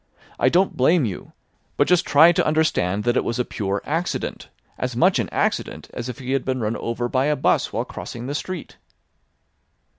I don't blame you. But just try to understand that it was a pure accident; as much an accident as if he had been run over by a 'bus while crossing the street."